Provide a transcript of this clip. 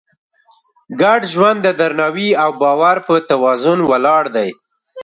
ګډ ژوند د درناوي او باور په توازن ولاړ دی.